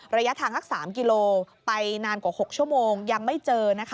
ระยะทางละ๓กิโลกรัมไปนานกว่า๖ชั่วโมงยังไม่เจอ